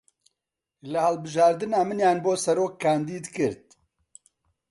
لە هەڵبژاردنا منیان بۆ سەرۆک کاندید کرد